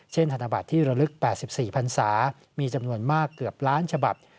ธนบัตรที่ระลึก๘๔พันศามีจำนวนมากเกือบล้านฉบับ